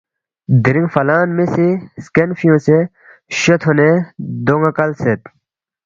دِرِنگ فلان می سی ہرکین فیُونگسے شے تھونے دو ن٘ا کلسید